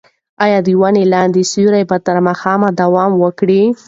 ایا د ونې لاندې سیوری به تر ماښامه دوام وکړي؟